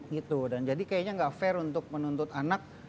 gitu dan jadi kayaknya nggak fair untuk menuntut anak